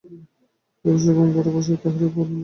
রোসো, একটা বড়ো বাসা করি, তাহার পরে তাহাকে নিমন্ত্রণ করিব।